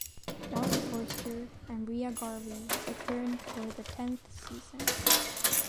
Mark Forster and Rea Garvey returned for the tenth season.